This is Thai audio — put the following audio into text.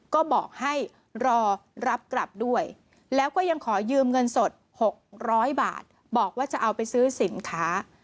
ก็บอกให้รอรับกลับด้วยแล้วก็ยังขอยืมเงินสด๖๐๐บาทบอกว่าจะเอาไปซื้อสินค้า